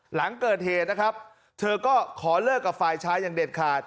หลังเกิดเหตุนะครับเธอก็ขอเลิกกับฝ่ายชายอย่างเด็ดขาด